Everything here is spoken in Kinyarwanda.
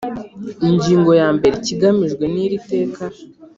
Ingingo ya mbere Ikigamijwe n iri Teka